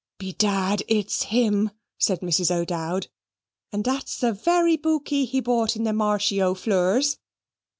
"Bedad it's him," said Mrs. O'Dowd; "and that's the very bokay he bought in the Marshy aux Flures!"